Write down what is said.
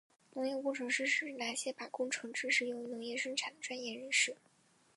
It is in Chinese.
农业工程师是指那些把工程知识用于农业生产的专业人士。